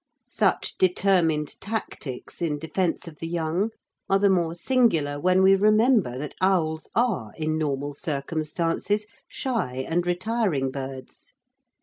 Such determined tactics in defence of the young are the more singular when we remember that owls are, in normal circumstances, shy and retiring birds.